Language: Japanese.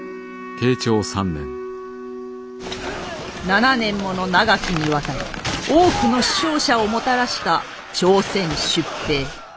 ７年もの長きにわたり多くの死傷者をもたらした朝鮮出兵。